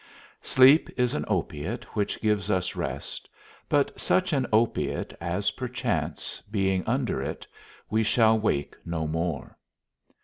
Sleep is an opiate which gives us rest, but such an opiate, as perchance, being under it, we shall wake no more.